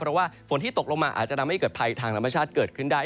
เพราะว่าฝนที่ตกลงมาอาจจะทำให้เกิดภัยทางธรรมชาติเกิดขึ้นได้